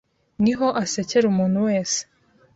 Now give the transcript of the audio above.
niho asekera umuntu wese